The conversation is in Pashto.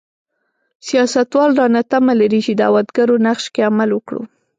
سیاستوال رانه تمه لري چې دعوتګرو نقش کې عمل وکړو.